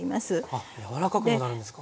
あっ柔らかくもなるんですか。